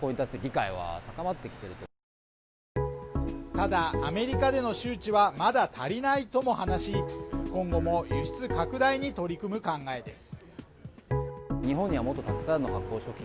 ただ、アメリカでの周知はまだ足りないとも話し、今後も輸出拡大に取り組む考えです。